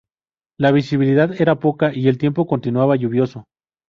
La visibilidad era poca y el tiempo continuaba lluvioso.